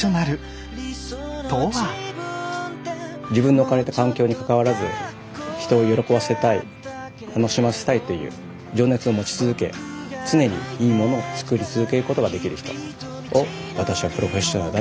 自分の置かれた環境にかかわらず人を喜ばせたい楽しませたいという情熱を持ち続け常にいいものを作り続けることができる人を私はプロフェッショナルだと思います。